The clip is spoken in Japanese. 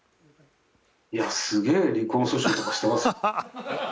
いやすげえ離婚訴訟とかしてますよ。